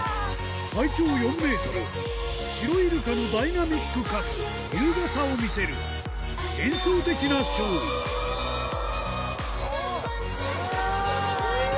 シロイルカのダイナミックかつ優雅さを見せる幻想的なショーうわぁ！